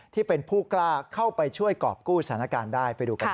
ที่เป็นผู้กล้าเข้าไปช่วยกรอบกู้สถานการณ์ได้ไปดูกันครับ